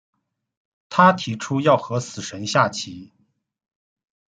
他提出要和死神下棋。